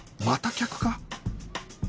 また客か？